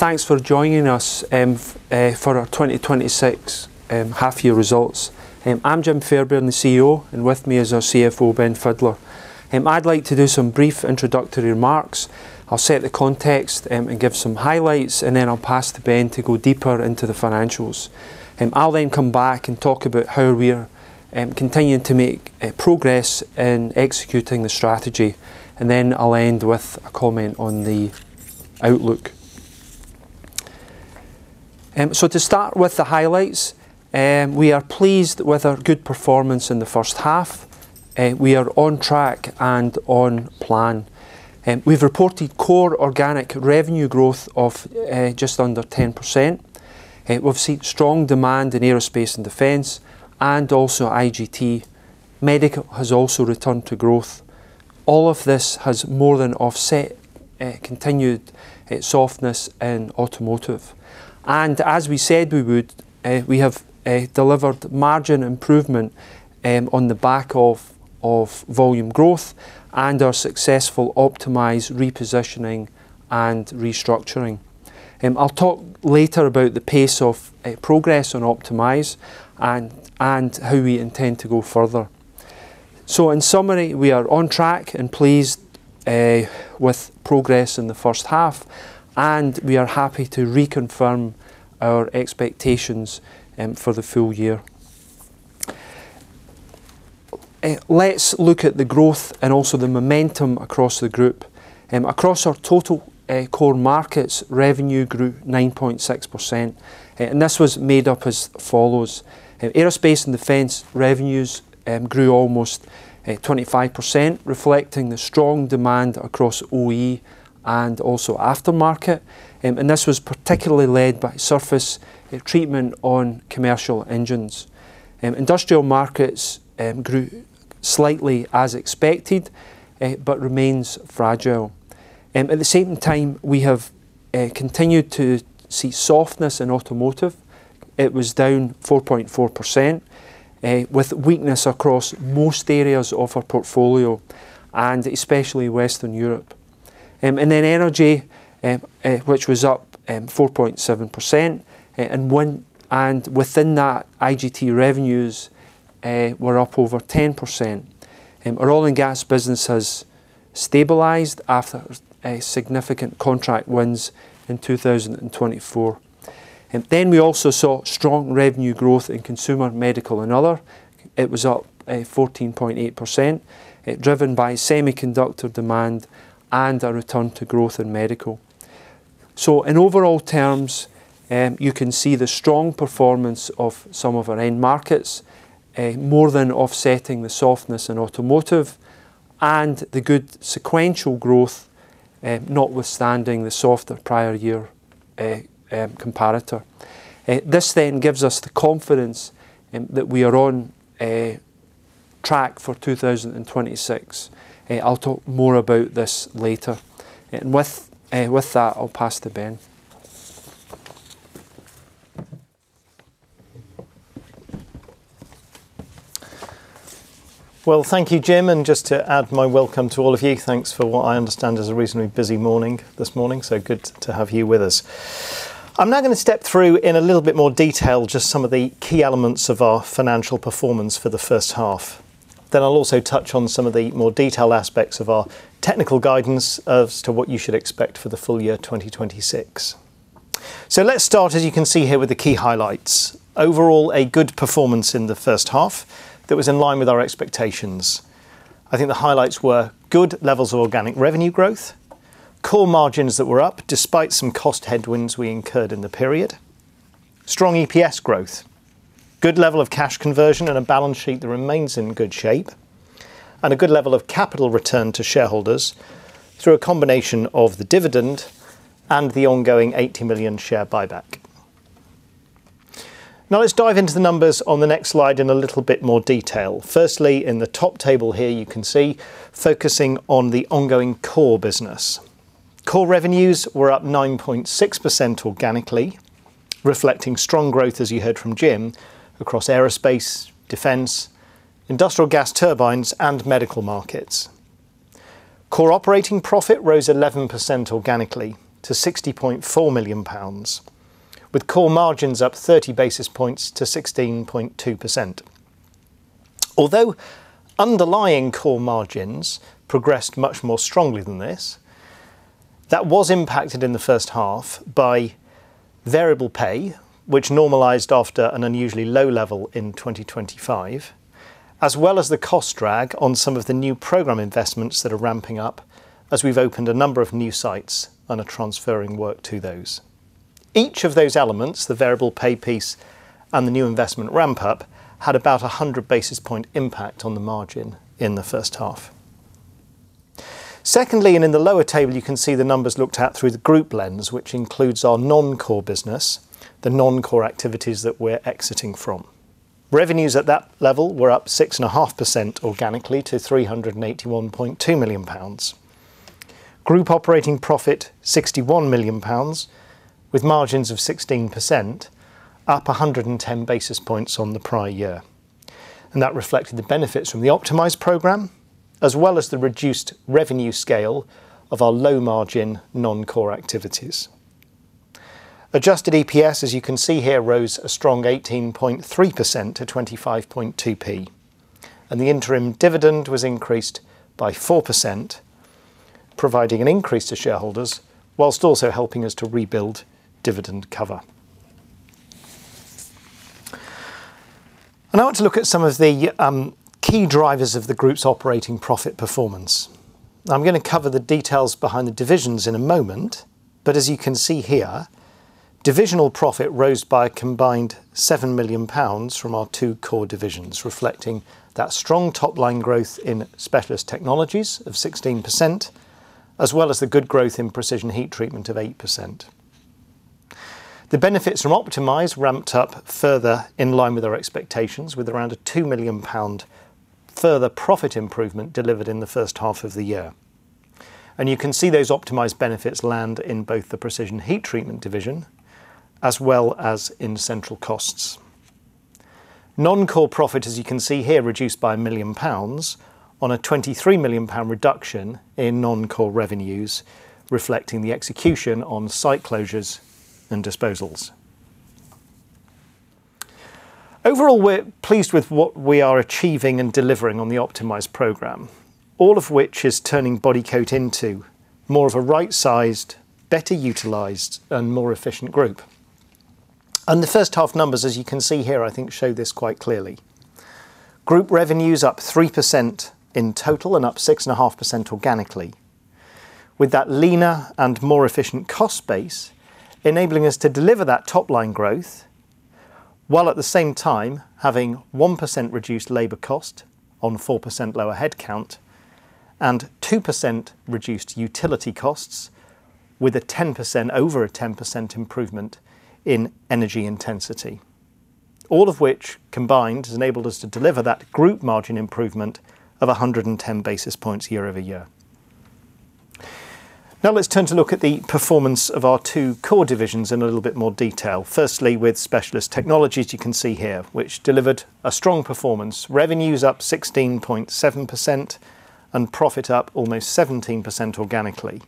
Thanks for joining us for our 2026 half-year results. I'm Jim Fairbairn, the CEO, and with me is our CFO, Ben Fidler. I'd like to do some brief introductory remarks. I'll set the context and give some highlights, and then I'll pass to Ben to go deeper into the financials. I'll then come back and talk about how we're continuing to make progress in executing the strategy, and then I'll end with a comment on the outlook. To start with the highlights, we are pleased with our good performance in the first half. We are on track and on plan. We've reported core organic revenue growth of just under 10%. We've seen strong demand in Aerospace & Defense and also IGT. Medical has also returned to growth. All of this has more than offset continued softness in automotive. As we said we would, we have delivered margin improvement on the back of volume growth and our successful Optimise repositioning and restructuring. I'll talk later about the pace of progress on Optimise and how we intend to go further. In summary, we are on track and pleased with progress in the first half, and we are happy to reconfirm our expectations for the full-year. Let's look at the growth and also the momentum across the group. Across our total core markets, revenue grew 9.6%, and this was made up as follows. Aerospace & Defense revenues grew almost 25%, reflecting the strong demand a`cross OE and also aftermarket, and this was particularly led by surface treatment on commercial engines. Industrial markets grew slightly as expected, but remains fragile. At the same time, we have continued to see softness in automotive. It was down 4.4%, with weakness across most areas of our portfolio, and especially Western Europe. Energy, which was up 4.7%, and within that, IGT revenues were up over 10%. Our oil and gas business has stabilized after significant contract wins in 2024. We also saw strong revenue growth in consumer medical and other. It was up 14.8%, driven by semiconductor demand and a return to growth in medical. In overall terms, you can see the strong performance of some of our end markets, more than offsetting the softness in automotive and the good sequential growth, notwithstanding the softer prior year comparator. This then gives us the confidence that we are on track for 2026. I'll talk more about this later. With that, I'll pass to Ben. Well, thank you, Jim, and just to add my welcome to all of you. Thanks for what I understand is a reasonably busy morning this morning, good to have you with us. I'm now going to step through in a little bit more detail just some of the key elements of our financial performance for the first half. I'll also touch on some of the more detailed aspects of our technical guidance as to what you should expect for the full-year 2026. Let's start, as you can see here, with the key highlights. Overall, a good performance in the first half that was in line with our expectations. I think the highlights were good levels of organic revenue growth, core margins that were up despite some cost headwinds we incurred in the period, strong EPS growth, good level of cash conversion and a balance sheet that remains in good shape, and a good level of capital return to shareholders through a combination of the dividend and the ongoing 80 million share buyback. Let's dive into the numbers on the next slide in a little bit more detail. Firstly, in the top table here, you can see focusing on the ongoing core business. Core revenues were up 9.6% organically, reflecting strong growth, as you heard from Jim, across aerospace, defense, industrial gas turbines, and medical markets. Core operating profit rose 11% organically to 60.4 million pounds, with core margins up 30 basis points to 16.2%. Although underlying core margins progressed much more strongly than this, that was impacted in the first half by variable pay, which normalized after an unusually low level in 2025, as well as the cost drag on some of the new program investments that are ramping up as we've opened a number of new sites and are transferring work to those. Each of those elements, the variable pay piece and the new investment ramp-up, had about 100 basis point impact on the margin in the first half. Secondly, in the lower table, you can see the numbers looked at through the group lens, which includes our non-core business, the non-core activities that we're exiting from. Revenues at that level were up 6.5% organically to 381.2 million pounds. Group operating profit, 61 million pounds, with margins of 16%, up 110 basis points on the prior year. That reflected the benefits from the Optimise program, as well as the reduced revenue scale of our low-margin non-core activities. Adjusted EPS, as you can see here, rose a strong 18.3% to 0.252. The interim dividend was increased by 4%, providing an increase to shareholders whilst also helping us to rebuild dividend cover. I want to look at some of the key drivers of the group's operating profit performance. I'm going to cover the details behind the divisions in a moment, as you can see here, divisional profit rose by a combined 7 million pounds from our two core divisions, reflecting that strong top-line growth in Specialist Technologies of 16%, as well as the good growth in Precision Heat Treatment of 8%. The benefits from Optimise ramped up further in line with our expectations, with around a 2 million pound further profit improvement delivered in the first half of the year. You can see those optimized benefits land in both the Precision Heat Treatment division, as well as in central costs. Non-core profit, as you can see here, reduced by 1 million pounds on a 23 million pound reduction in non-core revenues, reflecting the execution on site closures and disposals. Overall, we're pleased with what we are achieving and delivering on the Optimise program, all of which is turning Bodycote into more of a right-sized, better utilized, and more efficient group. The first half numbers, as you can see here, I think show this quite clearly. Group revenue is up 3% in total and up 6.5% organically. With that leaner and more efficient cost base enabling us to deliver that top-line growth, while at the same time having 1% reduced labor cost on 4% lower headcount and 2% reduced utility costs with over a 10% improvement in energy intensity. All of which combined has enabled us to deliver that group margin improvement of 110 basis points year-over-year. Let's turn to look at the performance of our two core divisions in a little bit more detail. Firstly, with Specialist Technologies you can see here, which delivered a strong performance. Revenues up 16.7% and profit up almost 17% organically.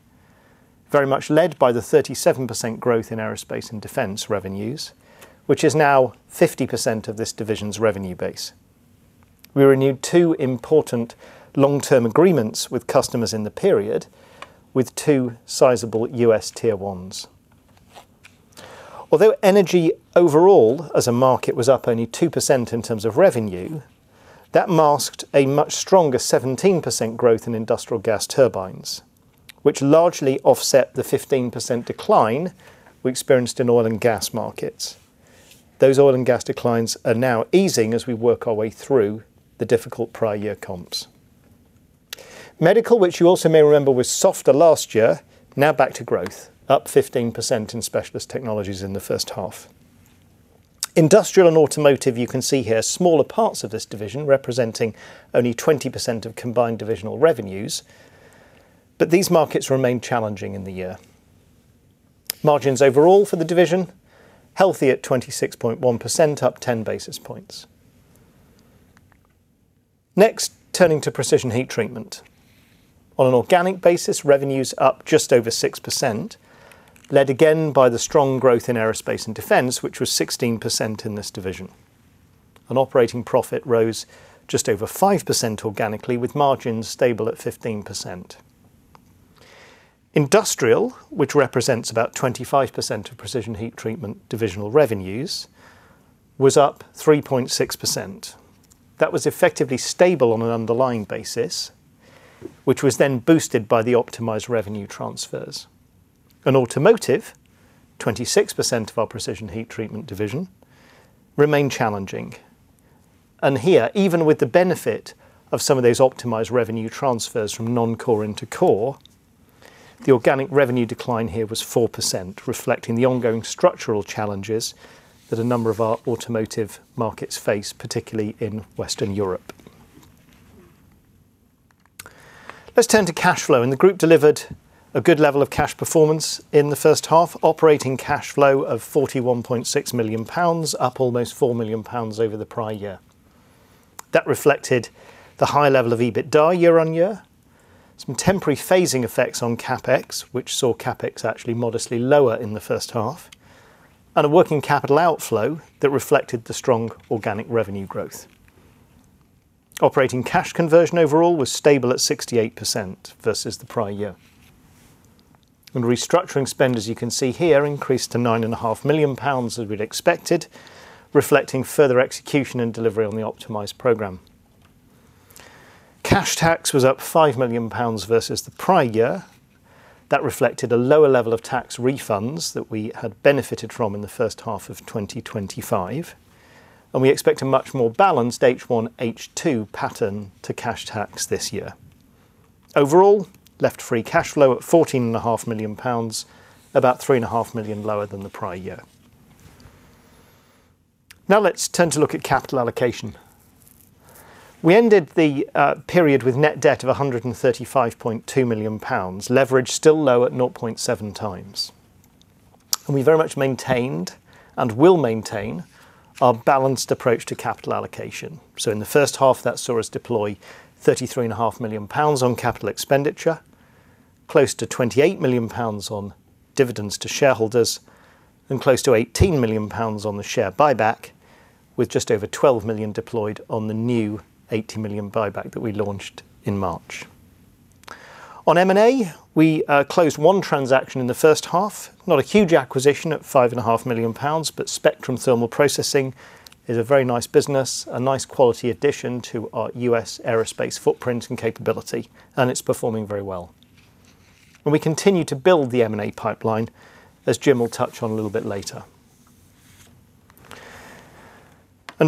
Very much led by the 37% growth in Aerospace & Defense revenues, which is now 50% of this division's revenue base. We renewed two important long-term agreements with customers in the period with two sizable U.S. Tier 1s. Energy overall as a market was up only 2% in terms of revenue, that masked a much stronger 17% growth in industrial gas turbines, which largely offset the 15% decline we experienced in oil and gas markets. Those oil and gas declines are now easing as we work our way through the difficult prior year comps. Medical, which you also may remember was softer last year, now back to growth, up 15% in Specialist Technologies in the first half. Industrial and automotive you can see here, smaller parts of this division representing only 20% of combined divisional revenues, but these markets remain challenging in the year. Margins overall for the division, healthy at 26.1% up 10 basis points. Next, turning to Precision Heat Treatment. On an organic basis, revenues up just over 6%, led again by the strong growth in Aerospace & Defense, which was 16% in this division. Operating profit rose just over 5% organically, with margins stable at 15%. Industrial, which represents about 25% of Precision Heat Treatment divisional revenues, was up 3.6%. That was effectively stable on an underlying basis, which was then boosted by the Optimise revenue transfers. Automotive, 26% of our Precision Heat Treatment division, remain challenging. Here, even with the benefit of some of those Optimise revenue transfers from non-core into core, the organic revenue decline here was 4%, reflecting the ongoing structural challenges that a number of our automotive markets face, particularly in Western Europe. Let's turn to cash flow, the group delivered a good level of cash performance in the first half: operating cash flow of 41.6 million pounds, up almost 4 million pounds over the prior year. That reflected the high level of EBITDA year-on-year, some temporary phasing effects on CapEx, which saw CapEx actually modestly lower in the first half, and a working capital outflow that reflected the strong organic revenue growth. Operating cash conversion overall was stable at 68% versus the prior year. Restructuring spend, as you can see here, increased to 9.5 million pounds as we'd expected, reflecting further execution and delivery on the Optimise program. Cash tax was up 5 million pounds versus the prior year. That reflected a lower level of tax refunds that we had benefited from in the first half of 2025, and we expect a much more balanced H1, H2 pattern to cash tax this year. Overall, left free cash flow at 14.5 million pounds, about 3.5 million lower than the prior year. Let's turn to look at capital allocation. We ended the period with net debt of 135.2 million pounds. Leverage still low at 0.7x. We very much maintained and will maintain our balanced approach to capital allocation. In the first half, that saw us deploy 33.5 million pounds on capital expenditure, close to 28 million pounds on dividends to shareholders, and close to 18 million pounds on the share buyback, with just over 12 million deployed on the new 80 million buyback that we launched in March. On M&A, we closed one transaction in the first half. Not a huge acquisition at 5.5 million pounds, but Spectrum Thermal Processing is a very nice business, a nice quality addition to our U.S. aerospace footprint and capability, and it's performing very well. We continue to build the M&A pipeline, as Jim will touch on a little bit later.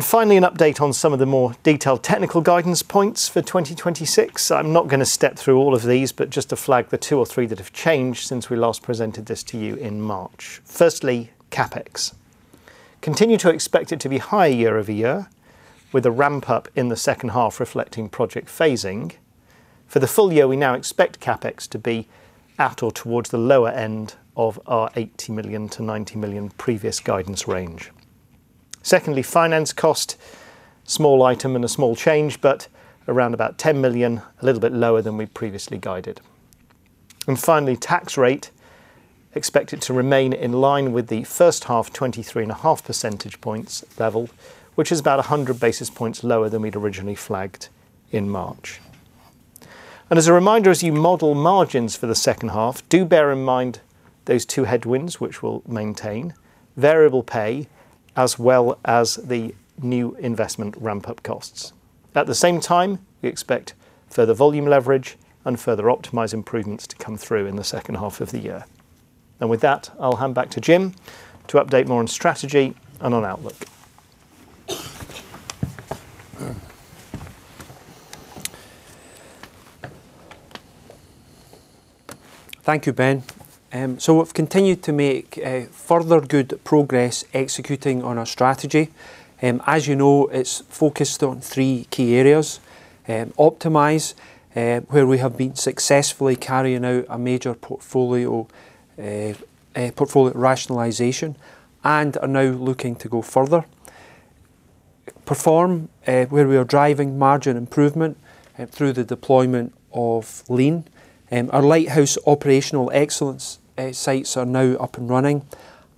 Finally, an update on some of the more detailed technical guidance points for 2026. I'm not going to step through all of these, but just to flag the two or three that have changed since we last presented this to you in March. Firstly, CapEx. Continue to expect it to be high year-over-year, with a ramp-up in the second half reflecting project phasing. For the full-year, we now expect CapEx to be at or towards the lower end of our 80 million-90 million previous guidance range. Secondly, finance cost. Small item and a small change, but around about 10 million, a little bit lower than we previously guided. Finally, tax rate. Expect it to remain in line with the first half 23.5 percentage points level, which is about 100 basis points lower than we'd originally flagged in March. As a reminder, as you model margins for the second half, do bear in mind those two headwinds which we'll maintain, variable pay as well as the new investment ramp-up costs. At the same time, we expect further volume leverage and further Optimise improvements to come through in the second half of the year. With that, I'll hand back to Jim to update more on strategy and on outlook. Thank you, Ben. We've continued to make further good progress executing on our strategy. As you know, it's focused on three key areas. Optimise, where we have been successfully carrying out a major portfolio rationalization and are now looking to go further. Perform, where we are driving margin improvement through the deployment of Lean. Our lighthouse operational excellence sites are now up and running,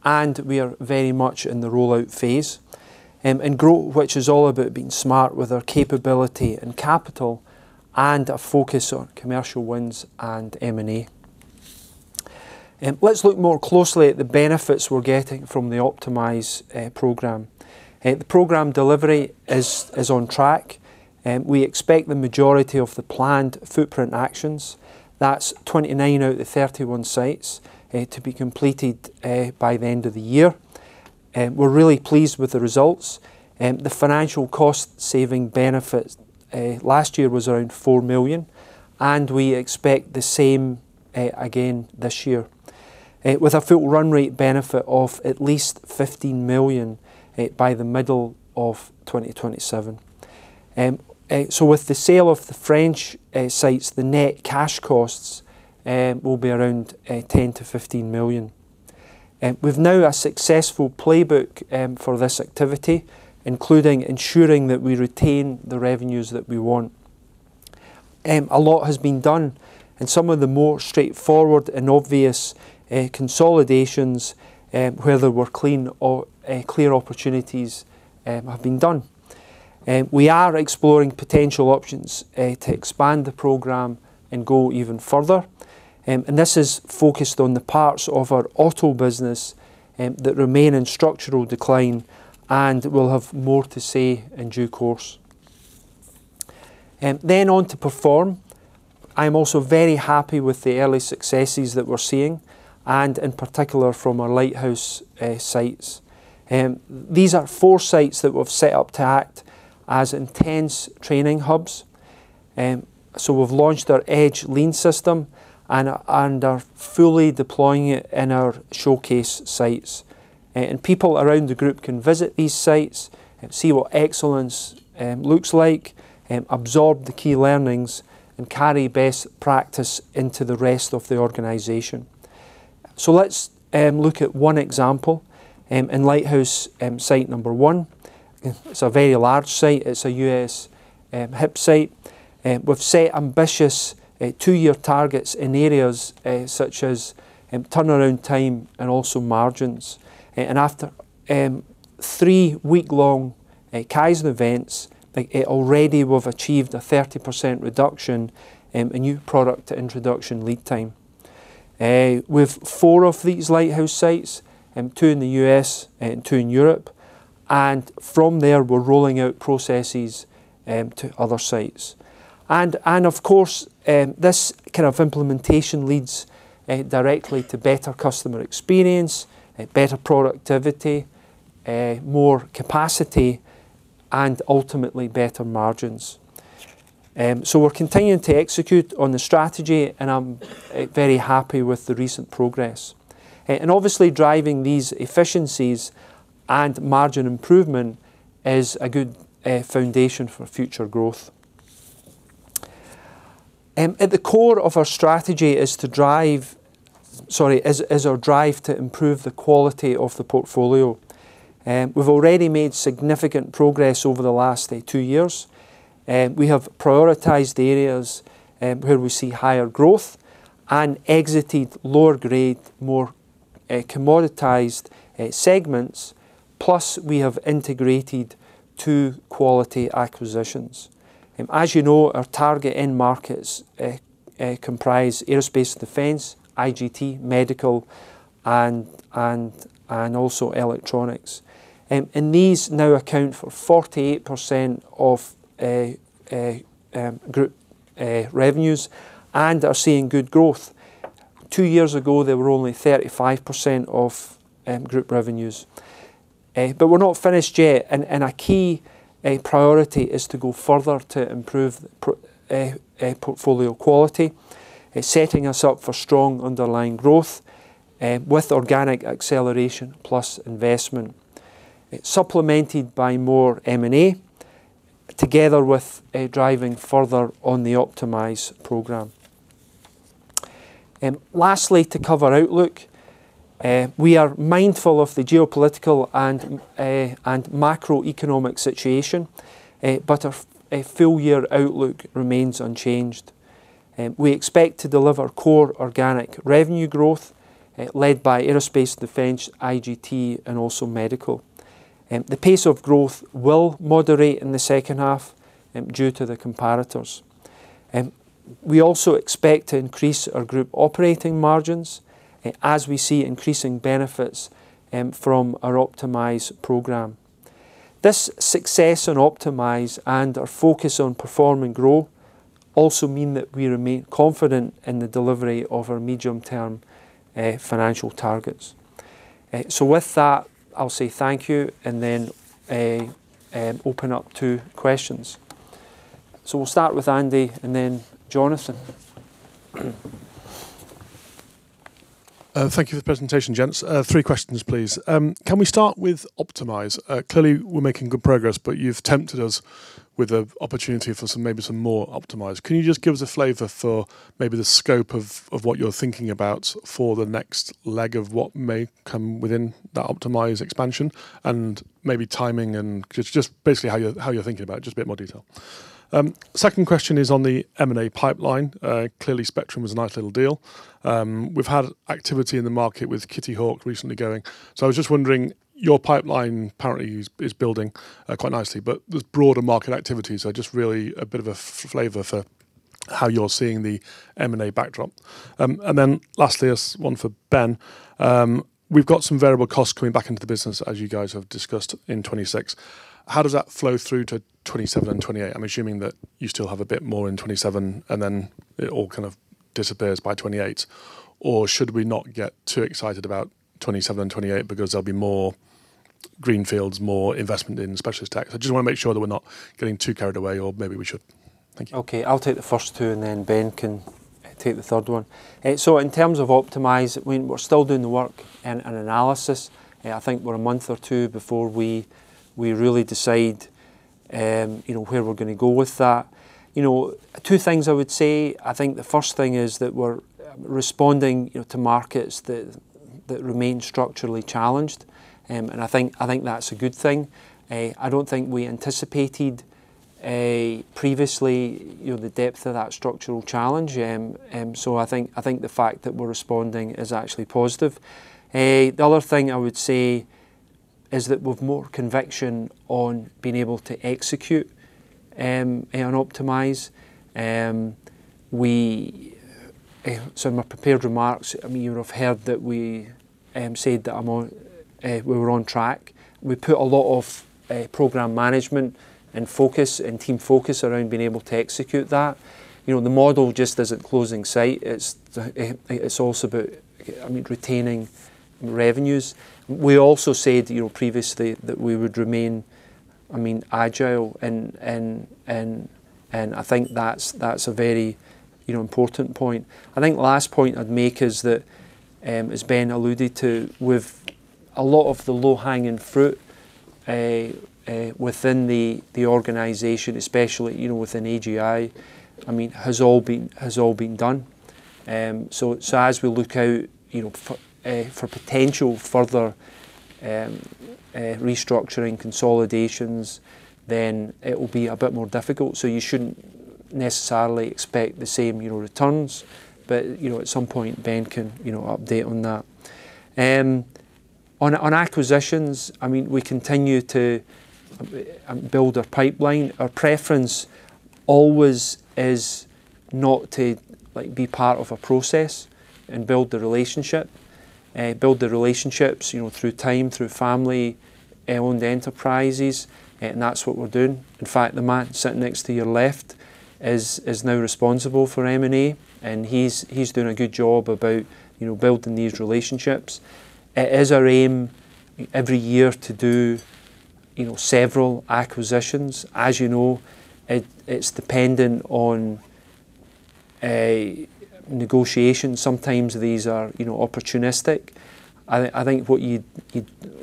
and we are very much in the rollout phase. Grow, which is all about being smart with our capability and capital and a focus on commercial wins and M&A. Let's look more closely at the benefits we're getting from the Optimise program. The program delivery is on track. We expect the majority of the planned footprint actions, that's 29 out of the 31 sites, to be completed by the end of the year. We're really pleased with the results. The financial cost-saving benefit last year was around 4 million, and we expect the same again this year, with a full run rate benefit of at least 15 million by the middle of 2027. With the sale of the French sites, the net cash costs will be around 10 million-15 million. We've now a successful playbook for this activity, including ensuring that we retain the revenues that we want. A lot has been done, and some of the more straightforward and obvious consolidations, where there were clear opportunities, have been done. We are exploring potential options to expand the program and go even further. This is focused on the parts of our auto business that remain in structural decline, and we'll have more to say in due course. On to Perform. I'm also very happy with the early successes that we're seeing, and in particular from our lighthouse sites. These are four sites that we've set up to act as intense training hubs. We've launched our EDGE Lean system and are fully deploying it in our showcase sites. People around the group can visit these sites, see what excellence looks like, absorb the key learnings, and carry best practice into the rest of the organization. Let's look at one example. In lighthouse site number one, it's a very large site. It's a U.S. HIP site. We've set ambitious two-year targets in areas such as turnaround time and also margins. After three week-long Kaizen events, already we've achieved a 30% reduction in new product introduction lead time. We've four of these lighthouse sites, two in the U.S. and two in Europe, and from there, we're rolling out processes to other sites. Of course, this kind of implementation leads directly to better customer experience, better productivity, more capacity, and ultimately better margins. We're continuing to execute on the strategy, and I'm very happy with the recent progress. Obviously driving these efficiencies and margin improvement is a good foundation for future growth. At the core of our strategy is our drive to improve the quality of the portfolio. We've already made significant progress over the last two years. We have prioritized areas where we see higher growth and exited lower grade, more commoditized segments, plus we have integrated two quality acquisitions. As you know, our target end markets comprise Aerospace & Defense, IGT, medical, and also electronics. These now account for 48% of group revenues and are seeing good growth. Two years ago, they were only 35% of group revenues. We're not finished yet, and a key priority is to go further to improve portfolio quality, setting us up for strong underlying growth with organic acceleration plus investment. It's supplemented by more M&A, together with driving further on the Optimise program. Lastly, to cover outlook, we are mindful of the geopolitical and macroeconomic situation, our full-year outlook remains unchanged. We expect to deliver core organic revenue growth, led by Aerospace & Defense, IGT, and also medical. The pace of growth will moderate in the second half due to the comparators. We also expect to increase our group operating margins as we see increasing benefits from our Optimise program. This success in Optimise and our focus on Perform and Grow also mean that we remain confident in the delivery of our medium-term financial targets. With that, I'll say thank you and then open up to questions. We'll start with Andy and then Jonathan. Thank you for the presentation, gents. Three questions, please. Can we start with Optimise? Clearly, we're making good progress, but you've tempted us with an opportunity for maybe some more Optimise. Can you just give us a flavor for maybe the scope of what you're thinking about for the next leg of what may come within that Optimise expansion and maybe timing and just basically how you're thinking about it, just a bit more detail. Second question is on the M&A pipeline. Clearly, Spectrum was a nice little deal. We've had activity in the market with Kittyhawk recently going. I was just wondering, your pipeline apparently is building quite nicely, but there's broader market activities. Just really a bit of a flavor for how you're seeing the M&A backdrop. Then lastly, one for Ben. We've got some variable costs coming back into the business, as you guys have discussed, in 2026. How does that flow through to 2027 and 2028? I'm assuming that you still have a bit more in 2027 and then it all kind of disappears by 2028. Or should we not get too excited about 2027 and 2028 because there'll be more greenfields, more investment in Specialist Technologies? I just want to make sure that we're not getting too carried away, or maybe we should. Thank you. Okay, I'll take the first two and then Ben can take the third one. In terms of Optimise, we're still doing the work and analysis. I think we're a month or two before we really decide where we're going to go with that. Two things I would say. I think the first thing is that we're responding to markets that remain structurally challenged, and I think that's a good thing. I don't think we anticipated previously the depth of that structural challenge. I think the fact that we're responding is actually positive. The other thing I would say is that with more conviction on being able to execute and Optimise, so in my prepared remarks, you would have heard that we said that we were on track. We put a lot of program management and team focus around being able to execute that. The model just isn't closing site. It's also about retaining revenues. We also said previously that we would remain agile, and I think that's a very important point. I think last point I'd make is that, as Ben alluded to, with a lot of the low-hanging fruit within the organization, especially within AGI, has all been done. As we look out for potential further restructuring consolidations, then it will be a bit more difficult. You shouldn't necessarily expect the same returns. At some point, Ben can update on that. On acquisitions, we continue to build our pipeline. Our preference always is not to be part of a process and build the relationships through time, through family-owned enterprises, and that's what we're doing. In fact, the man sitting next to your left is now responsible for M&A, and he's doing a good job about building these relationships. It is our aim every year to do several acquisitions. As you know, it's dependent on a negotiations, sometimes these are opportunistic. I think what you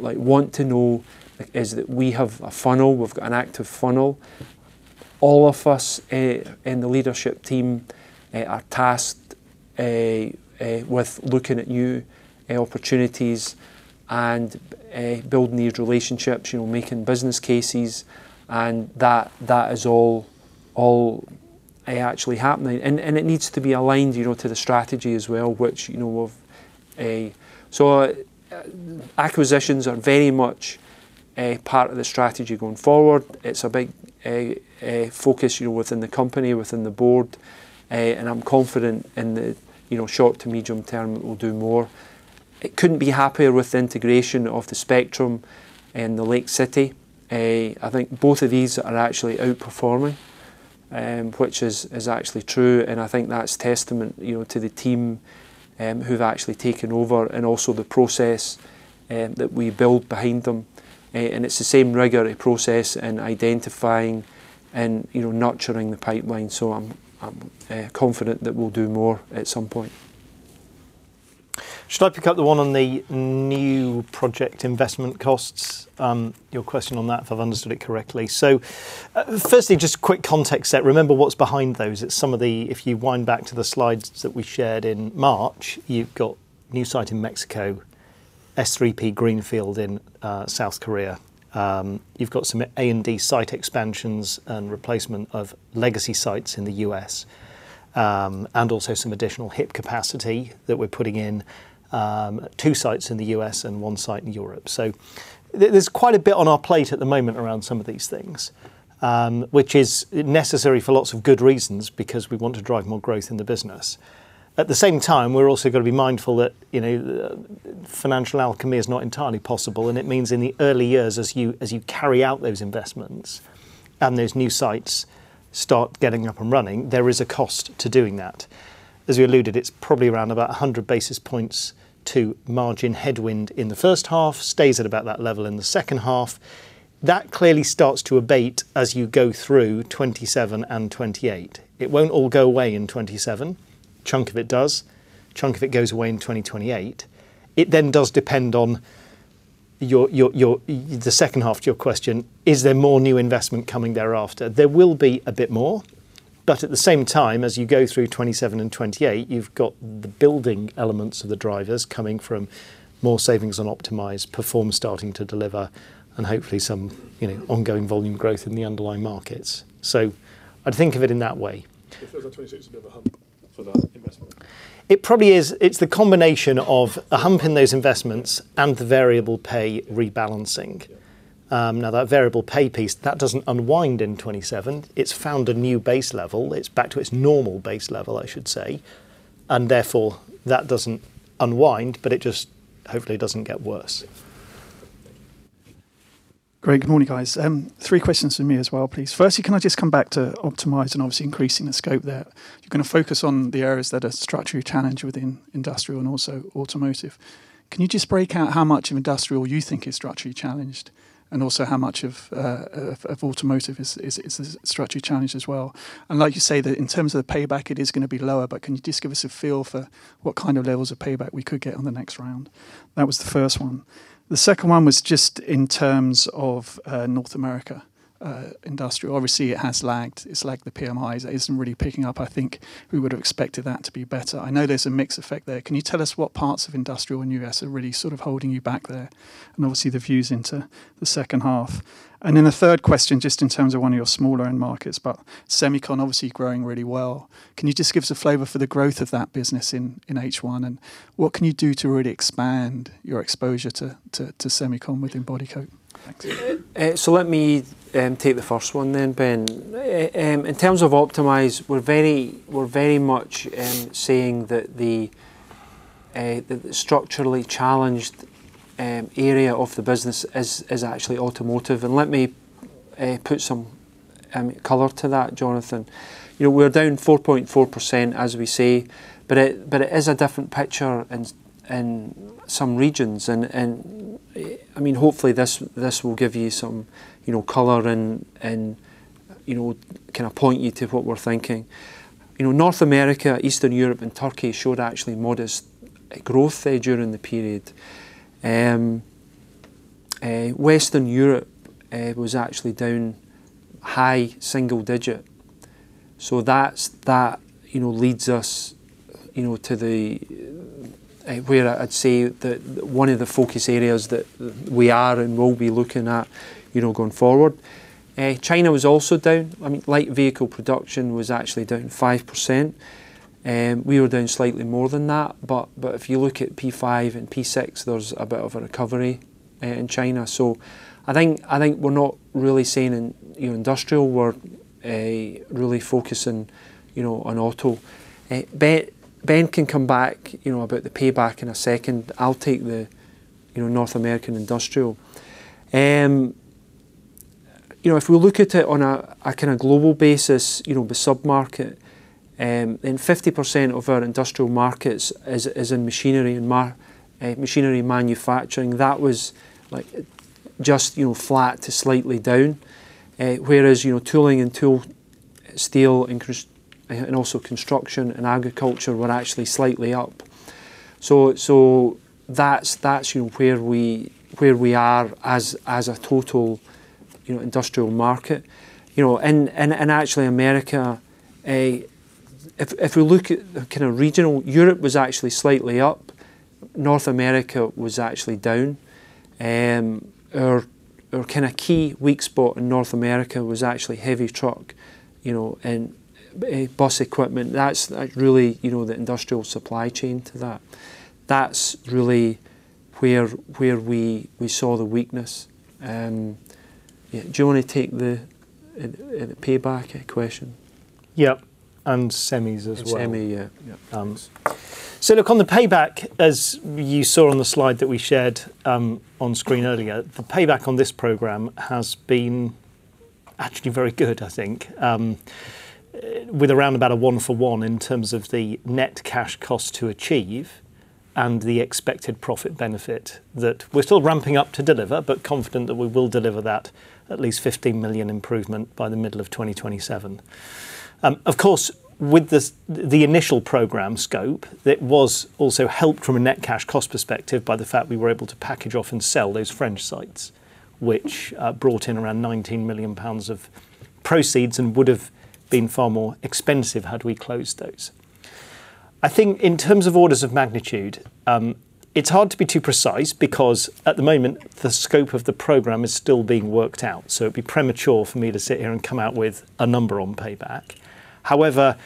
want to know is that we have a funnel, we've got an active funnel. All of us in the leadership team are tasked with looking at new opportunities and building these relationships, making business cases, and that is all actually happening. It needs to be aligned to the strategy as well. Acquisitions are very much a part of the strategy going forward. It's a big focus within the company, within the board. I'm confident in the short to medium-term it will do more. I couldn't be happier with the integration of the Spectrum and the Lake City. I think both of these are actually outperforming, which is actually true, and I think that's testament to the team who've actually taken over and also the process that we build behind them. It's the same rigorous process in identifying and nurturing the pipeline. I'm confident that we'll do more at some point. Should I pick up the one on the new project investment costs? Your question on that, if I've understood it correctly. Firstly, just quick context set. Remember what's behind those. If you wind back to the slides that we shared in March, you've got new site in Mexico, S³P greenfield in South Korea. You've got some A&D site expansions and replacement of legacy sites in the U.S., and also some additional HIP capacity that we're putting in two sites in the U.S. and one site in Europe. There's quite a bit on our plate at the moment around some of these things, which is necessary for lots of good reasons because we want to drive more growth in the business. At the same time, we've also got to be mindful that financial alchemy is not entirely possible, and it means in the early years as you carry out those investments and those new sites start getting up and running, there is a cost to doing that. As we alluded, it's probably around about 100 basis points to margin headwind in the first half, stays at about that level in the second half. That clearly starts to abate as you go through 2027 and 2028. It won't all go away in 2027. Chunk of it does. Chunk of it goes away in 2028. It does depend on the second half to your question, is there more new investment coming thereafter? There will be a bit more. At the same time, as you go through 2027 and 2028, you've got the building elements of the drivers coming from more savings on Optimise, Perform starting to deliver, and hopefully some ongoing volume growth in the underlying markets. I'd think of it in that way. For the 2026, it'll be a hump for that investment. It probably is. It's the combination of a hump in those investments and the variable pay rebalancing. Yeah. that variable pay piece, that doesn't unwind in 2027. It's found a new base level. It's back to its normal base level, I should say, therefore, that doesn't unwind, it just hopefully doesn't get worse. Great. Good morning, guys. Three questions from me as well, please. Firstly, can I just come back to Optimise and obviously increasing the scope there? You're going to focus on the areas that are structurally challenged within industrial and also automotive. Can you just break out how much of industrial you think is structurally challenged, also how much of automotive is structurally challenged as well? Like you say, that in terms of the payback, it is going to be lower, can you just give us a feel for what kind of levels of payback we could get on the next round? That was the first one. The second one was just in terms of North America industrial. Obviously, it has lagged. It's lagged the PMIs. It isn't really picking up. I think we would've expected that to be better. I know there's a mix effect there. Can you tell us what parts of industrial in U.S. are really sort of holding you back there? Obviously the views into the second half. A third question, just in terms of one of your smaller end markets, but semicon obviously growing really well. Can you just give us a flavor for the growth of that business in H1? What can you do to really expand your exposure to semicon within Bodycote? Thanks. Let me take the first one then, Ben. In terms of Optimise, we're very much saying that the structurally challenged area of the business is actually automotive. Let me put some color to that, Jonathan. We're down 4.4%, as we say, it is a different picture in some regions. Hopefully this will give you some color and kind of point you to what we're thinking. North America, Eastern Europe, and Turkey showed actually modest growth there during the period. Western Europe was actually down high single-digit. That leads us to where I'd say that one of the focus areas that we are and will be looking at going forward. China was also down. Light vehicle production was actually down 5%. We were down slightly more than that, if you look at P5 and P6, there was a bit of a recovery in China. I think we're not really seeing in industrial, we're really focusing on auto. Ben can come back about the payback in a second. I'll take the North American Industrial. If we look at it on a kind of global basis, the sub-market, in 50% of our industrial markets is in machinery manufacturing. That was like Just flat to slightly down. Whereas tooling and tool steel and also construction and agriculture were actually slightly up. That's where we are as a total industrial market. Actually America, if we look at the kind of regional, Europe was actually slightly up. North America was actually down. Our kind of key weak spot in North America was actually heavy truck and bus equipment. That's really the industrial supply chain to that. That's really where we saw the weakness. Do you want to take the payback question? Yeah, semis as well. Semi, yeah. Look, on the payback, as you saw on the slide that we shared on screen earlier, the payback on this program has been actually very good, I think, with around about a one for one in terms of the net cash cost to achieve and the expected profit benefit that we're still ramping up to deliver, but confident that we will deliver that at least 15 million improvement by the middle of 2027. Of course, with the initial program scope, it was also helped from a net cash cost perspective by the fact we were able to package off and sell those French sites, which brought in around 19 million pounds of proceeds and would have been far more expensive had we closed those. I think in terms of orders of magnitude, it's hard to be too precise because at the moment, the scope of the program is still being worked out, so it'd be premature for me to sit here and come out with a number on payback. However,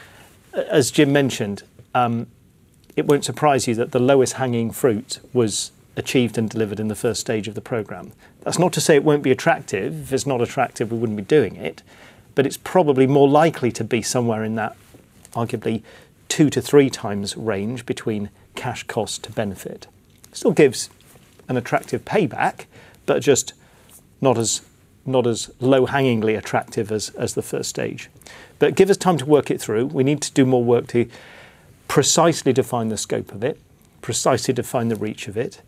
as Jim mentioned, it won't surprise you that the lowest hanging fruit was achieved and delivered in the first stage of the program. That's not to say it won't be attractive. If it's not attractive, we wouldn't be doing it's probably more likely to be somewhere in that arguably 2x-3x range between cash cost to benefit. Still gives an attractive payback, but just not as low hanging-ly attractive as the first stage. It gives us time to work it through. We need to do more work to precisely define the scope of it, precisely define the reach of it,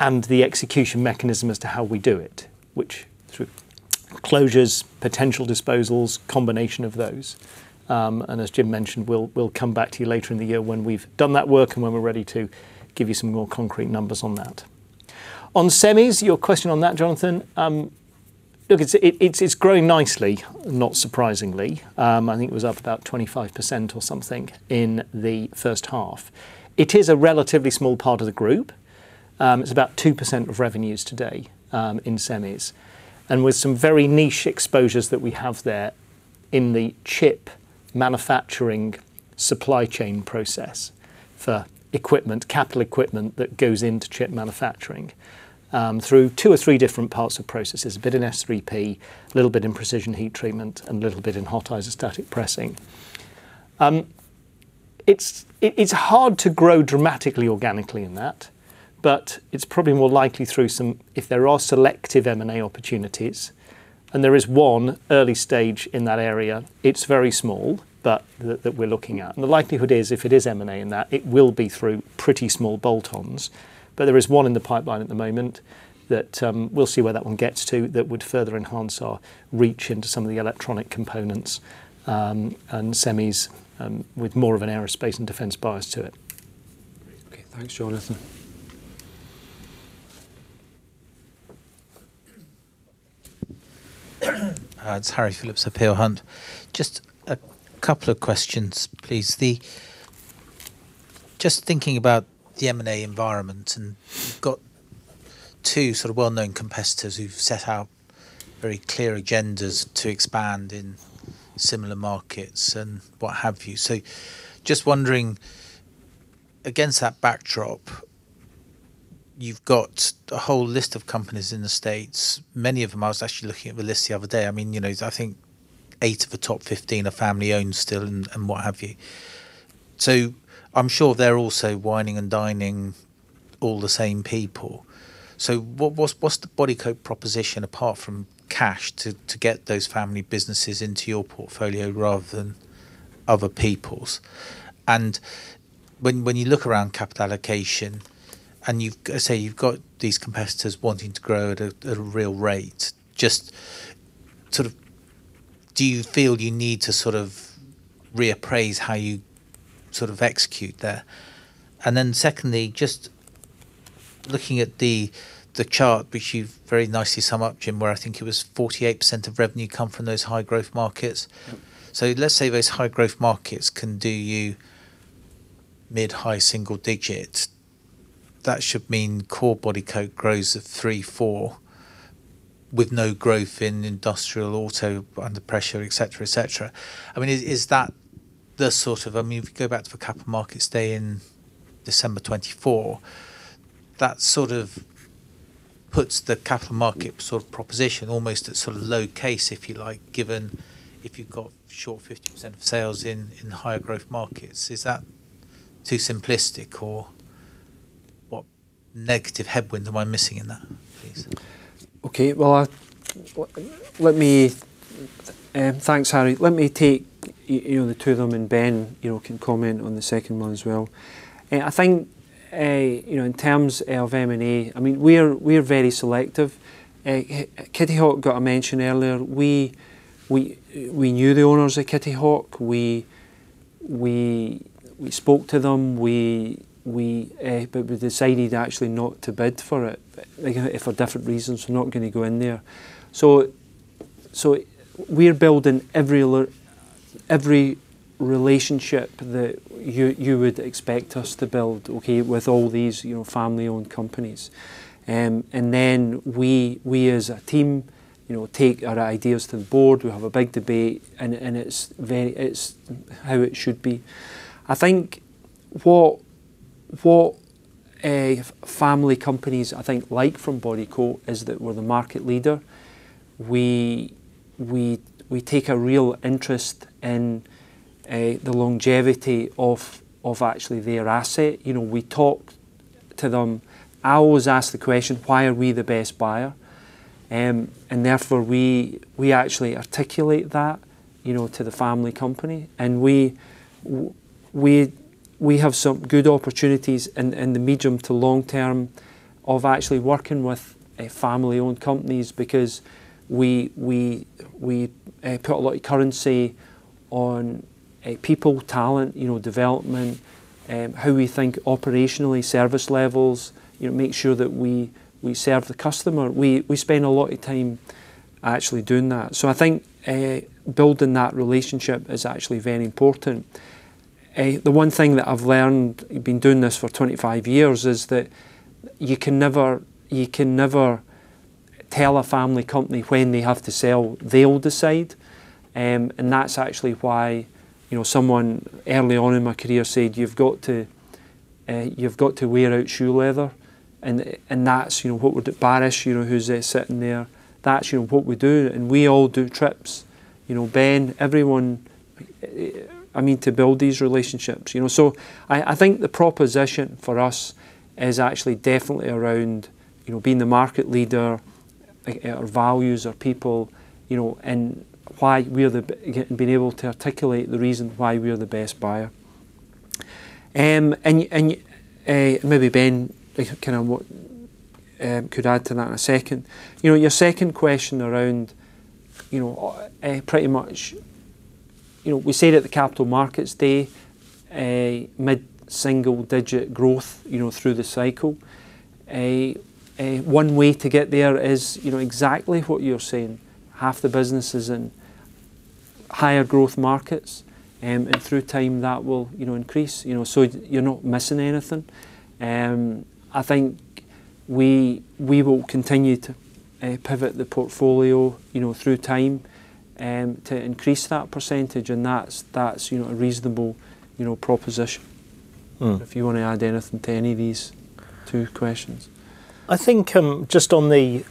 and the execution mechanism as to how we do it, which through closures, potential disposals, combination of those. As Jim mentioned, we'll come back to you later in the year when we've done that work and when we're ready to give you some more concrete numbers on that. On semis, your question on that, Jonathan, look, it's growing nicely, not surprisingly. I think it was up about 25% or something in the first half. It is a relatively small part of the group. It's about 2% of revenues today, in semis. With some very niche exposures that we have there in the chip manufacturing supply chain process for equipment, capital equipment that goes into chip manufacturing, through two or three different parts of processes, a bit in S³P, little bit in Precision Heat Treatment, and little bit in Hot Isostatic Pressing. It's hard to grow dramatically organically in that, but it's probably more likely through some, if there are selective M&A opportunities, and there is one early stage 1 in that area. It's very small, but that we're looking at. The likelihood is, if it is M&A in that, it will be through pretty small bolt-ons. There is one in the pipeline at the moment that we'll see where that one gets to, that would further enhance our reach into some of the electronic components, and semis, with more of an Aerospace & Defense bias to it. Okay, thanks, Jonathan. It's Harry Philips of Peel Hunt. Just a couple of questions, please. Just thinking about the M&A environment, you've got two sort of well-known competitors who've set out very clear agendas to expand in similar markets and what have you. Just wondering, against that backdrop, you've got a whole list of companies in the States Many of them, I was actually looking at the list the other day, I think eight of the top 15 are family-owned still and what have you. I'm sure they're also wining and dining all the same people. What's the Bodycote proposition apart from cash to get those family businesses into your portfolio rather than other people's? When you look around capital allocation and, say, you've got these competitors wanting to grow at a real rate, just do you feel you need to sort of reappraise how you execute there? Secondly, just looking at the chart, which you've very nicely sum up, Jim, where I think it was 48% of revenue come from those high growth markets. Let's say those high growth markets can do you mid-high single-digits. That should mean core Bodycote grows at three, four, with no growth in industrial auto, under pressure, et cetera. If we go back to the Capital Markets Day in December 2024, that sort of puts the capital market proposition almost at low case, if you like, given if you've got short 50% of sales in higher growth markets. Is that too simplistic, or what negative headwinds am I missing in that, please? Thanks, Harry. Let me take the two of them, Ben can comment on the second one as well. I think in terms of M&A, we are very selective. Kittyhawk got a mention earlier. We knew the owners of Kittyhawk. We spoke to them. We decided actually not to bid for it for different reasons. We're not going to go in there. We're building every relationship that you would expect us to build, okay, with all these family-owned companies. Then we, as a team, take our ideas to the board. We have a big debate, and it's how it should be. I think what family companies, I think, like from Bodycote is that we're the market leader. We take a real interest in the longevity of actually their asset. We talk to them. I always ask the question, Why are we the best buyer? Therefore, we actually articulate that to the family company. We have some good opportunities in the medium to long-term of actually working with family-owned companies because we put a lot of currency on people, talent, development, how we think operationally, service levels, make sure that we serve the customer. We spend a lot of time actually doing that. I think building that relationship is actually very important. The one thing that I've learned, been doing this for 25 years, is that you can never tell a family company when they have to sell. They'll decide. That's actually why someone early on in my career said, You've got to wear out shoe leather. That's what would Barış, who's sitting there, that's what we do. We all do trips. Ben, everyone. To build these relationships. I think the proposition for us is actually definitely around being the market leader, our values, our people, and being able to articulate the reason why we are the best buyer. Maybe Ben could add to that in a second. Your second question around, you know, pretty much. We said at the Capital Markets Day, mid-single-digit growth through the cycle. One way to get there is exactly what you're saying. Half the business is in higher growth markets, and through time, that will increase, so you're not missing anything. I think we will continue to pivot the portfolio through time to increase that percentage, and that's a reasonable proposition. If you want to add anything to any of these two questions. I think just on the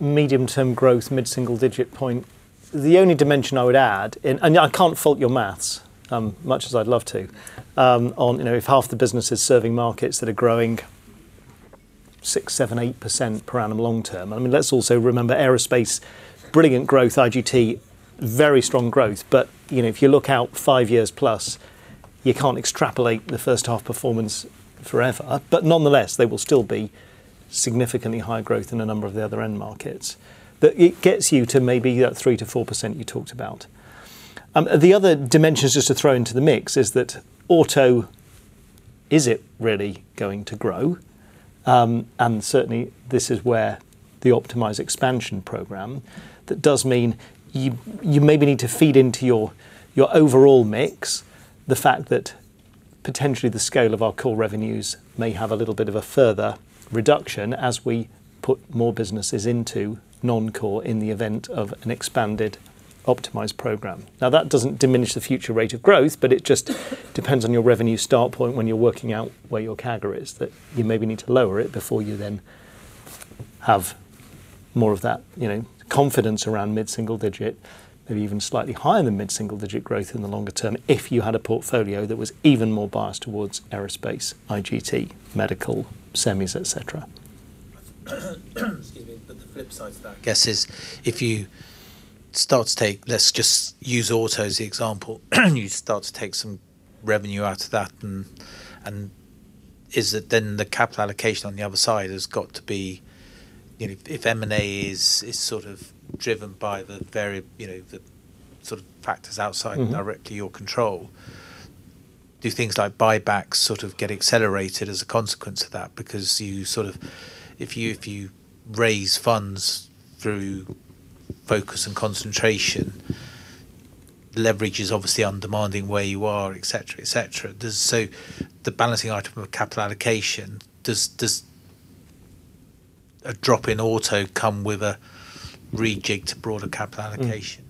medium-term growth, mid-single-digit point, the only dimension I would add, I can't fault your math, much as I'd love to. If half the business is serving markets that are growing 6%, 7%, 8% per annum long-term, let's also remember Aerospace, brilliant growth, IGT, very strong growth. If you look out 5+ years, you can't extrapolate the first half performance forever. Nonetheless, they will still be significantly higher growth in a number of the other end markets. It gets you to maybe that 3%-4% you talked about. The other dimensions just to throw into the mix is that auto, is it really going to grow? Certainly, this is where the Optimise expansion program that does mean you maybe need to feed into your overall mix the fact that potentially the scale of our core revenues may have a little bit of a further reduction as we put more businesses into non-core in the event of an expanded, Optimise program. That doesn't diminish the future rate of growth, it just depends on your revenue start point when you're working out where your CAGR is, that you maybe need to lower it before you then have more of that confidence around mid-single-digit, maybe even slightly higher than mid-single-digit growth in the longer-term if you had a portfolio that was even more biased towards Aerospace, IGT, medical, semis, et cetera. Excuse me. The flip side to that guess is if you start to take, let's just use auto as the example, you start to take some revenue out of that, is it then the capital allocation on the other side has got to be if M&A is sort of driven by the sort of factors outside directly your control. Do things like buybacks sort of get accelerated as a consequence of that because if you raise funds through focus and concentration, leverage is obviously on demanding where you are, et cetera. The balancing item of capital allocation, does a drop in auto come with a rejigged broader capital allocation?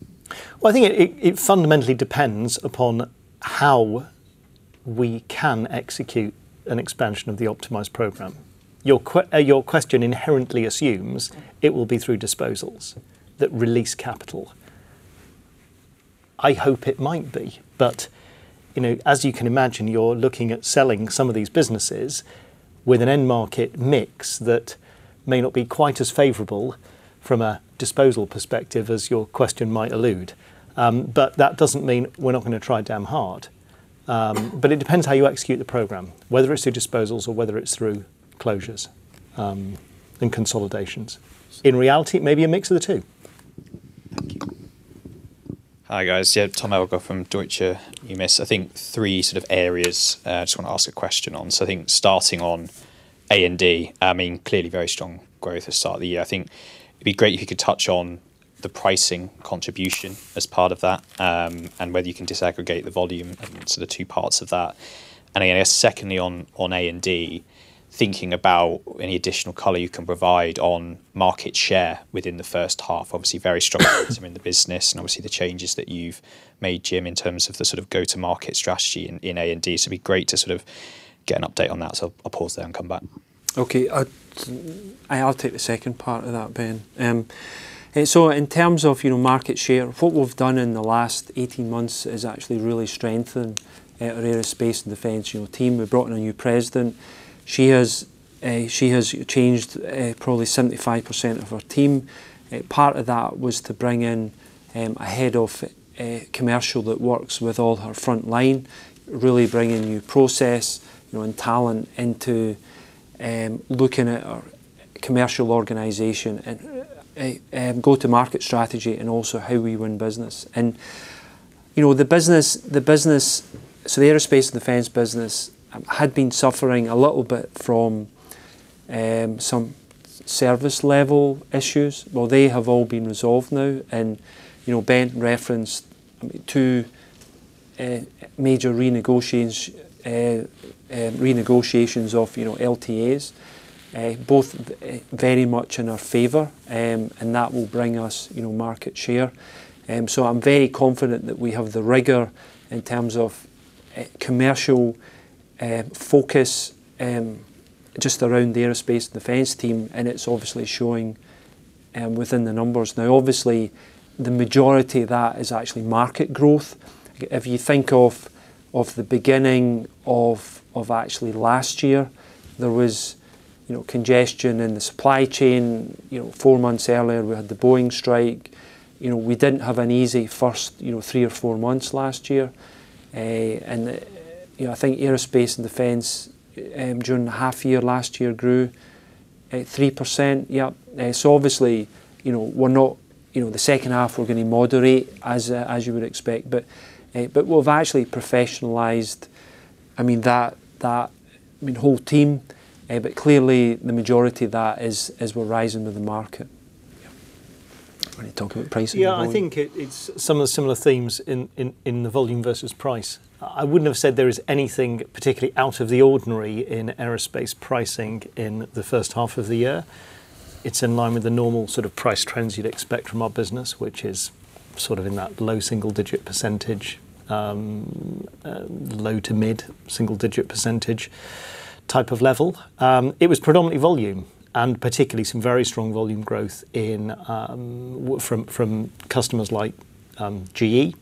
Well, I think it fundamentally depends upon how we can execute an expansion of the Optimise program. Your question inherently assumes it will be through disposals that release capital. I hope it might be. As you can imagine, you're looking at selling some of these businesses with an end market mix that may not be quite as favorable from a disposal perspective as your question might allude. That doesn't mean we're not going to try damn hard. It depends how you execute the program, whether it's through disposals or whether it's through closures and consolidations. In reality, maybe a mix of the two. Thank you. Hi, guys. Tom Elgar from Deutsche Numis. I think three sort of areas, just want to ask a question on. I think starting on A&D, clearly very strong growth at the start of the year. I think it'd be great if you could touch on the pricing contribution as part of that, and whether you can disaggregate the volume into the two parts of that. I guess secondly, on A&D, thinking about any additional color you can provide on market share within the first half. Obviously very strong in the business and obviously the changes that you've made, Jim, in terms of the go-to market strategy in A&D. It'd be great to get an update on that. I'll pause there and come back. Okay. I'll take the second part of that, Ben. In terms of market share, what we've done in the last 18 months is actually really strengthen our Aerospace & Defense team. We've brought in a new president. She has changed probably 75% of her team. Part of that was to bring in a head of commercial that works with all her frontline, really bring a new process and talent into looking at our commercial organization and go-to-market strategy, and also how we win business. The Aerospace & Defense business had been suffering a little bit from some service-level issues. Well, they have all been resolved now. Ben referenced two major renegotiations of LTAs, both very much in our favor, and that will bring us market share. I'm very confident that we have the rigor in terms of commercial focus just around the Aerospace & Defense team, and it's obviously showing within the numbers. Obviously, the majority of that is actually market growth. If you think of the beginning of actually last year, there was congestion in the supply chain. Four months earlier, we had the Boeing strike. We didn't have an easy first three or four months last year. I think Aerospace & Defense during the half year last year grew at 3%. Obviously, the second half we're going to moderate as you would expect. We've actually professionalized that whole team. Clearly, the majority of that is rising with the market. Why don't you talk about pricing volume? I think it's some of the similar themes in the volume versus price. I wouldn't have said there is anything particularly out of the ordinary in aerospace pricing in the first half of the year. It's in line with the normal sort of price trends you'd expect from our business, which is sort of in that low single-digit percentage, low to mid-single-digit percentage type of level. It was predominantly volume, and particularly some very strong volume growth from customers like GE,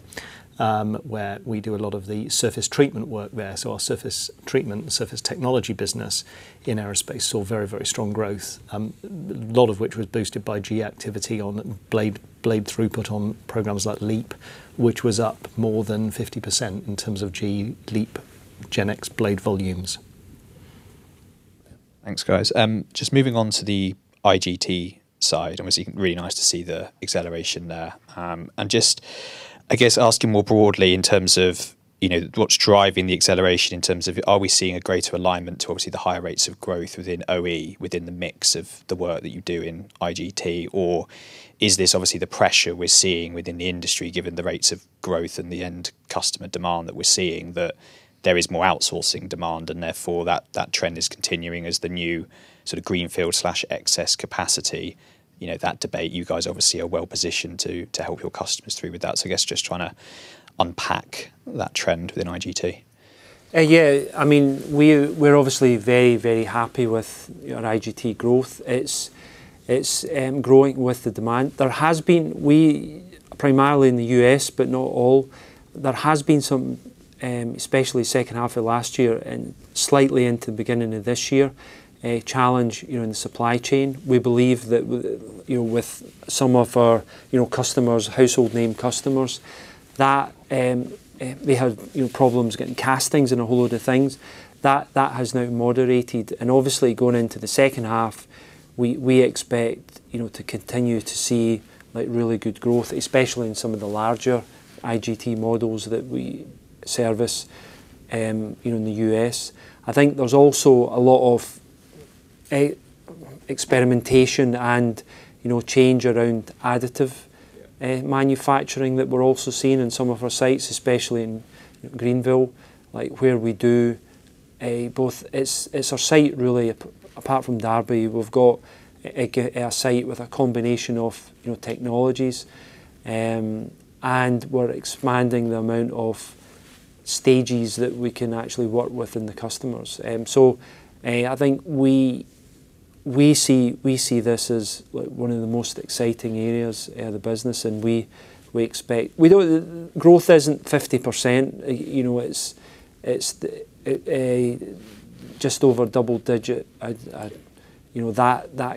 where we do a lot of the surface treatment work there. Our surface treatment and Surface Technology business in aerospace saw very, very strong growth. A lot of which was boosted by GE activity on blade throughput on programs like LEAP, which was up more than 50% in terms of GE LEAP GEnx blade volumes. Thanks, guys. Just moving on to the IGT side, obviously really nice to see the acceleration there. Just, I guess asking more broadly in terms of what's driving the acceleration in terms of are we seeing a greater alignment to obviously the higher rates of growth within OE, within the mix of the work that you do in IGT? Or is this obviously the pressure we're seeing within the industry given the rates of growth and the end customer demand that we're seeing, that there is more outsourcing demand and therefore that trend is continuing as the new sort of greenfield/excess capacity, that debate you guys obviously are well-positioned to help your customers through with that. I guess just trying to unpack that trend within IGT. Yeah, I mean, we're obviously very, very happy with our IGT growth. It's growing with the demand. Primarily in the U.S., but not all, there has been some, especially second half of last year and slightly into the beginning of this year, a challenge in the supply chain. We believe that with some of our household name customers, that they had problems getting castings and a whole load of things. That has now moderated. Obviously going into the second half, we expect to continue to see really good growth, especially in some of the larger IGT models that we service in the U.S. I think there's also a lot of experimentation and change around additive manufacturing that we're also seeing in some of our sites, especially in Greenville, where we do both. It's our site really apart from Derby. We've got a site with a combination of technologies, and we're expanding the amount of stages that we can actually work with in the customers. We see this as one of the most exciting areas of the business, and we expect Growth isn't 50%. It's just over double-digit. That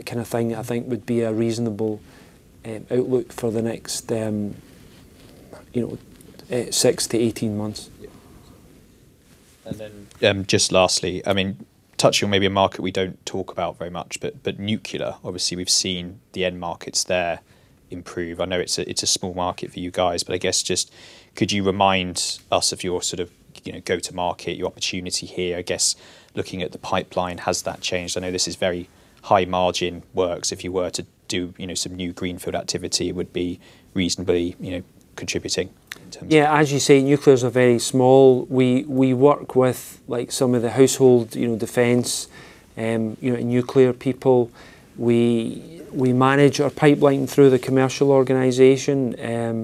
kind of thing, I think, would be a reasonable outlook for the next 6-18 months. Yeah. Just lastly, touching on maybe a market we don't talk about very much, but nuclear, obviously, we've seen the end markets there improve. I know it's a small market for you guys, but I guess just could you remind us of your go to market, your opportunity here? I guess looking at the pipeline, has that changed? I know this is very high margin works. If you were to do some new greenfield activity, it would be reasonably contributing in terms of. Yeah. As you say, nuclear is very small. We work with some of the household defense nuclear people. We manage our pipeline through the commercial organization.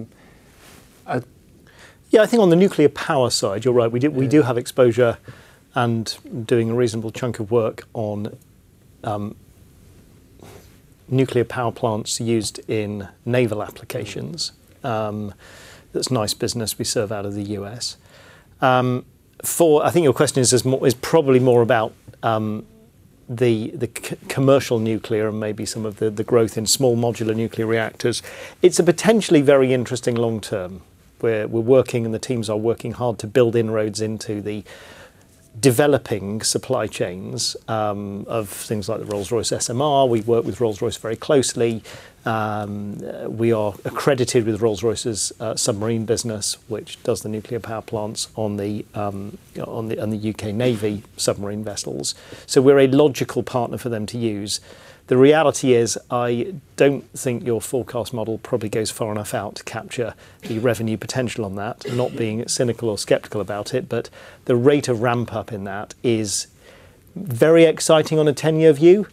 I think on the nuclear power side, you're right. We do have exposure and doing a reasonable chunk of work on nuclear power plants used in naval applications. That's a nice business we serve out of the U.S. I think your question is probably more about the commercial nuclear and maybe some of the growth in small modular nuclear reactors. It's a potentially very interesting long-term, where we're working and the teams are working hard to build inroads into the developing supply chains of things like the Rolls-Royce SMR. We work with Rolls-Royce very closely. We are accredited with Rolls-Royce's submarine business, which does the nuclear power plants on the U.K. Navy submarine vessels. We're a logical partner for them to use. The reality is, I don't think your forecast model probably goes far enough out to capture the revenue potential on that. Not being cynical or skeptical about it, the rate of ramp-up in that is very exciting on a 10-year view.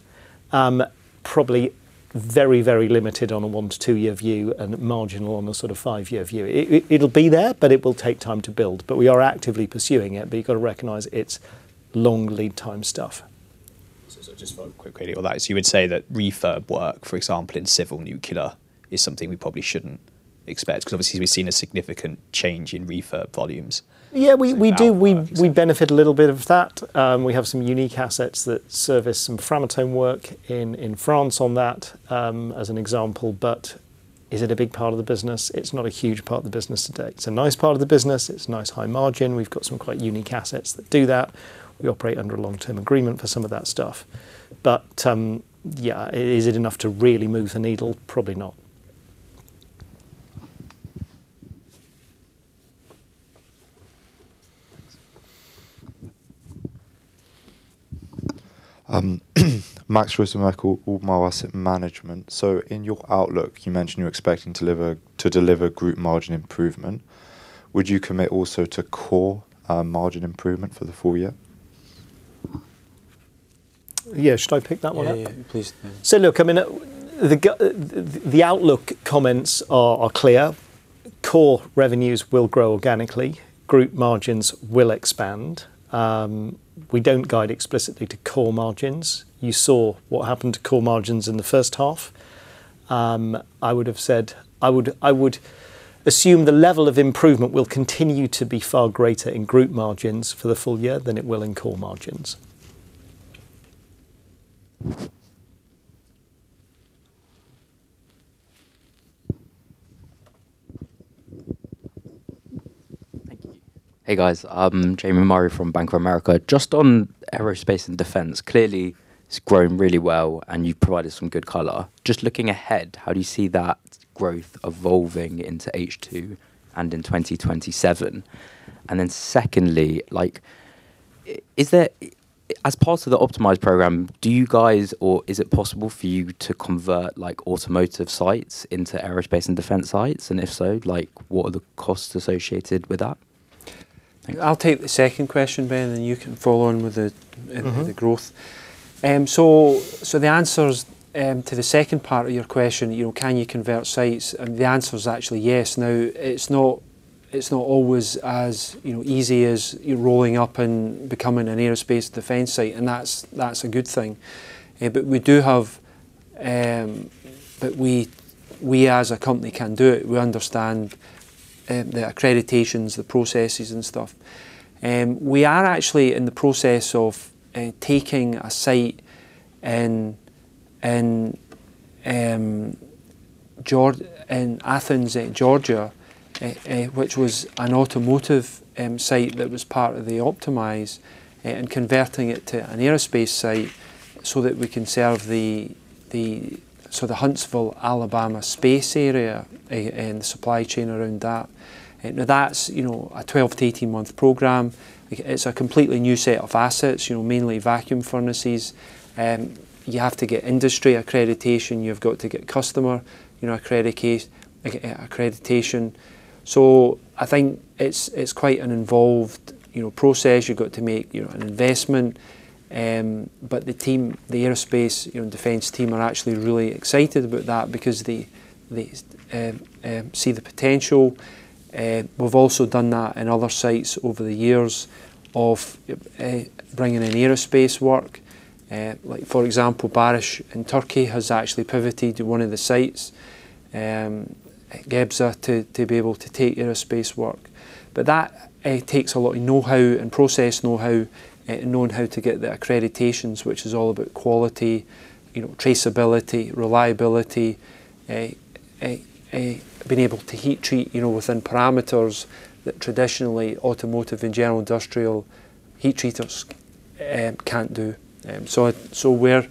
Probably very limited on a 1-2 year view, and marginal on a five-year view. It'll be there, it will take time to build. We are actively pursuing it, but you've got to recognize it's long lead time stuff. Just for quick clarity on that, so you would say that refurb work, for example, in civil nuclear, is something we probably shouldn't expect? Because obviously we've seen a significant change in refurb volumes. Yeah. We do. We benefit a little bit of that. We have some unique assets that service some Framatome work in France on that, as an example. Is it a big part of the business? It's not a huge part of the business today. It's a nice part of the business. It's nice high margin. We've got some quite unique assets that do that. We operate under a long-term agreement for some of that stuff. Yeah, is it enough to really move the needle? Probably not. Thanks. Max Ryssen from ODDO `Asset Management. In your outlook, you mentioned you're expecting to deliver group margin improvement. Would you commit also to core margin improvement for the full-year? Yeah. Should I pick that one up? Yeah. Please. Look, the outlook comments are clear. Core revenues will grow organically. Group margins will expand. We don't guide explicitly to core margins. You saw what happened to core margins in the first half. I would assume the level of improvement will continue to be far greater in group margins for the full-year than it will in core margins. Thank you. Hey, guys. Jamie Murray from Bank of America. On Aerospace & Defense, clearly it's grown really well, and you've provided some good color. Looking ahead, how do you see that growth evolving into H2 and in 2027? Secondly, as part of the Optimise program, do you guys or is it possible for you to convert automotive sites into Aerospace & Defense sites? If so, what are the costs associated with that? I'll take the second question, Ben, you can follow on with the growth. The answer to the second part of your question, can you convert sites? The answer is actually yes. It's not always as easy as rolling up and becoming an Aerospace Defense site, and that's a good thing. We as a company can do it. We understand the accreditations, the processes, and stuff. We are actually in the process of taking a site in Athens, Georgia, which was an automotive site that was part of the Optimise, and converting it to an aerospace site so that we can serve the Huntsville, Alabama, space area and the supply chain around that. That's a 12-18-month program. It's a completely new set of assets, mainly vacuum furnaces. You have to get industry accreditation. You've got to get customer accreditation. I think it's quite an involved process. You've got to make an investment. The Aerospace & Defense team are actually really excited about that because they see the potential. We've also done that in other sites over the years of bringing in aerospace work. For example, Barış in Turkey has actually pivoted one of the sites Gebze to be able to take aerospace work. That takes a lot of know-how and process know-how, knowing how to get the accreditations, which is all about quality, traceability, reliability, being able to heat treat within parameters that traditionally Automotive & General Industrial heat treaters can't do. We're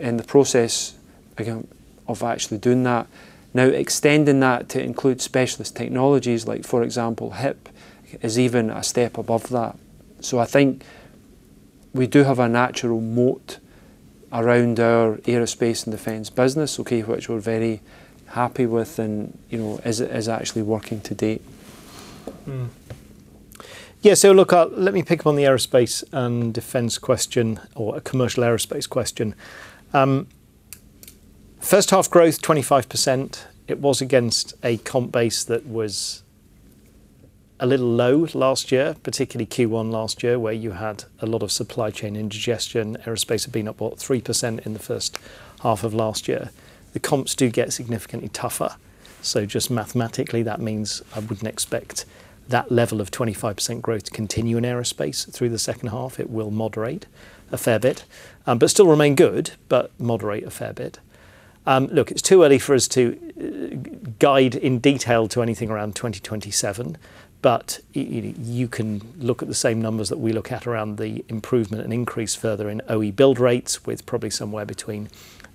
in the process of actually doing that now, extending that to include Specialist Technologies like, for example, HIP is even a step above that. I think we do have a natural moat around our Aerospace & Defense business, okay, which we're very happy with and is actually working to date. Mm-hmm. Yeah. Look, let me pick up on the Aerospace & Defense question or a commercial aerospace question. First half growth 25%, it was against a comp base that was a little low last year, particularly Q1 last year, where you had a lot of supply chain indigestion. Aerospace had been up what, 3% in the first half of last year. The comps do get significantly tougher. Just mathematically, that means I wouldn't expect that level of 25% growth to continue in aerospace through the second half. It will moderate a fair bit, but still remain good, but moderate a fair bit. Look, it's too early for us to guide in detail to anything around 2027, but you can look at the same numbers that we look at around the improvement and increase further in OE build rates, with probably somewhere between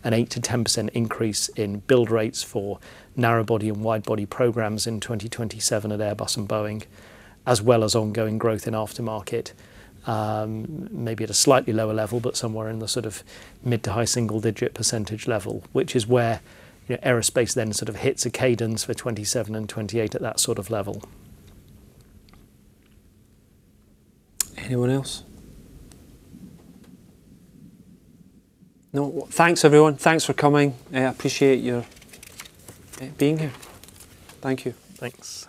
an 8%-10% increase in build rates for narrow body and wide body programs in 2027 at Airbus and Boeing, as well as ongoing growth in aftermarket, maybe at a slightly lower level, but somewhere in the sort of mid to high single-digit percentage level, which is where aerospace then sort of hits a cadence for 2027 and 2028 at that sort of level. Anyone else? No. Thanks everyone. Thanks for coming. I appreciate your being here. Thank you. Thanks.